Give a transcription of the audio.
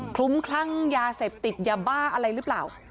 ลุ้มคลั่งยาเสพติดยาบ้าอะไรหรือเปล่า